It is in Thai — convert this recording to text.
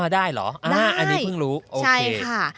ได้เหรออันนี้เพิ่งรู้โอเค